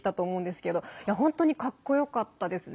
本当にかっこよかったですね。